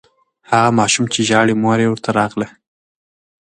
هغه ماشوم چې ژاړي، مور یې ورته راغله.